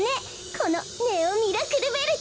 このネオ・ミラクルベルト！